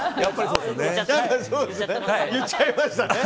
言っちゃいましたね！